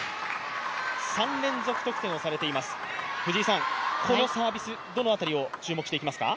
３連続得点をされています、このサービス、どの辺りを注目していきますか？